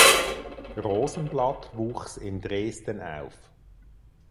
Rosenblatt wuchs in Dresden auf.